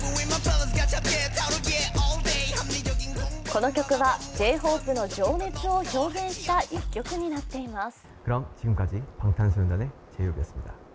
この曲はＪ−ＨＯＰＥの情熱を表現した１曲になっています。